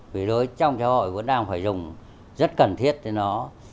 vì đối với trong trò hội vẫn đang phải dùng rất cần thiết cho nó